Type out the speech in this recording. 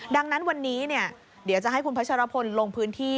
ดังนั้นวันนี้เดี๋ยวจะให้คุณพัชรพลลงพื้นที่